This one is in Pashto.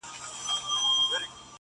• د شته من سړي د کور څنګ ته دباغ وو -